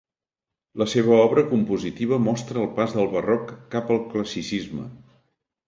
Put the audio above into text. La seva obra compositiva mostra el pas del barroc cap al classicisme.